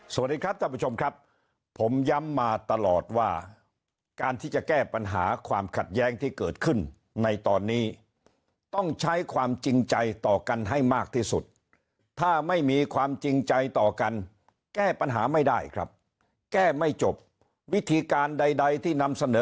สวัสดีครับท่านผู้ชมครับผมย้ำมาตลอดว่าการที่จะแก้ปัญหาความขัดแย้งที่เกิดขึ้นในตอนนี้ต้องใช้ความจริงใจต่อกันให้มากที่สุดถ้าไม่มีความจริงใจต่อกันแก้ปัญหาไม่ได้ครับแก้ไม่จบวิธีการใดที่นำเสนอ